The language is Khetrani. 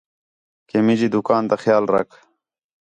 کہ مینجی دُکان تا خیال رکھ